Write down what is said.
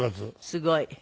すごい。